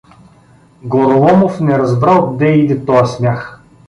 Гороломов не разбра отде иде тоя смях.